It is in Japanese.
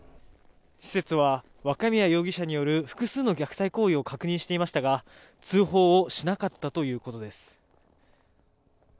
施設は若宮容疑者による複数の虐待行為を確認していましたが、通報をしなかったということです。